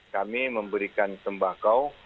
kami memberikan sembako